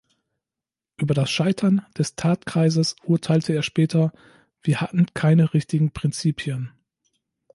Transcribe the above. Über das Scheitern des Tat-Kreises urteilte er später: „"Wir hatten keine richtigen Prinzipien.